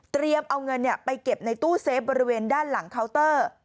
เอาเงินไปเก็บในตู้เซฟบริเวณด้านหลังเคาน์เตอร์